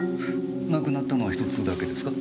なくなったのは１つだけですか？